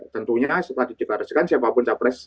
tentunya setelah dideklarasikan siapapun capres